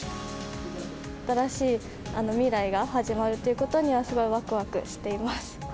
新しい未来が始まるということには、すごいわくわくしています。